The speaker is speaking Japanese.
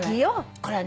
これはね